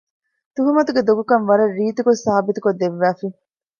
ތުހުމަތުގެ ދޮގުކަން ވަރަށް ރީތިކޮށް ސާބިތުކޮށް ދެއްވައިފަ